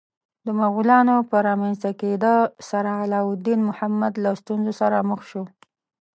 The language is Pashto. د مغولانو په رامنځته کېدا سره علاوالدین محمد له ستونزو سره مخ شو.